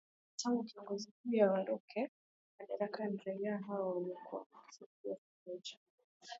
tangu kiongozi huyo aondoke madarakani raia hao wamekuwa wakishuhudia kila uchao